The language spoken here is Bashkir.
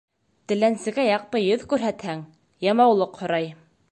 Теләнсегә яҡты йөҙ күрһәтһәң, ямаулыҡ һорай.